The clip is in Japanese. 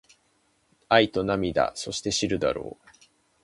愛と涙そして知るだろう